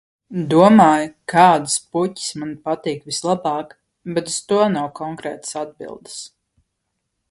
Domāju, kādas puķes man patīk vislabāk, bet uz to nav konkrētas atbildes.